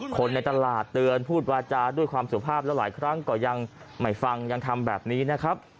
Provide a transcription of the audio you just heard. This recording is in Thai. คนในตลาดเตือนพูดวาจาด้วยความสุภาพแล้วหลายครั้งก็ยังไม่ฟังยังทำแบบนี้นะครับ